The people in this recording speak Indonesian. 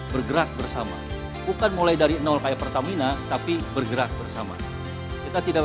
bergerak bersama bukan mulai dari nol kayak pertamina tapi bergerak bersama kita tidak